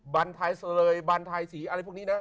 บรรไทยเลยบันทายสีอะไรพวกนี้นะ